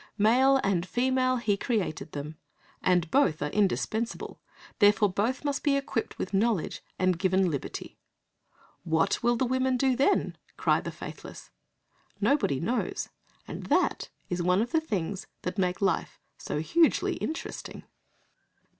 "Male and female created He them," and both are indispensable. Therefore both must be equipped with knowledge and given liberty. "What will the women do then?" cry the faithless. Nobody knows, and that is one of the things that make life so hugely interesting.